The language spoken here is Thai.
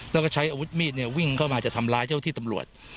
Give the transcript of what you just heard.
แล้วก็ใช้อาวุธมีดวิ่งเข้ามาจะทำร้ายเจ้าที่ตำรวจ